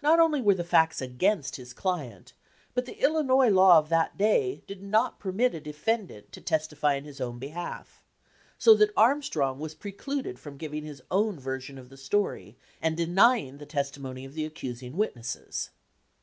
Not only were the 231 LINCOLN THE LAWYER facts against his client, but the Illinois law of that day did not permit a defendant to testify in his own behalf, so that Armstrong was precluded from giving his own version of the story and denying the testimony of the accusing witnesses.